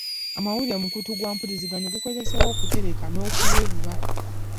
Amawulire mukutu gwa mpuliziganya ogukozesebwa okutereka n'okuwa obubaka.